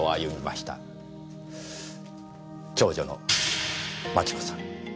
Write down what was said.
長女の町子さん。